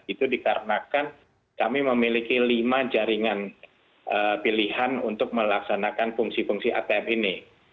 itu dikarenakan kami memiliki lima jaringan pilihan untuk melaksanakan fungsi fungsi atm ini